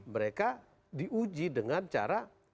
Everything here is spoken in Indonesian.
mereka diuji dengan cara